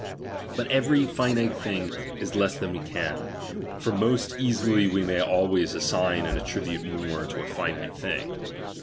But every finite thing is less than we can ; for most easily we may always assign and attribute more to a finite thing.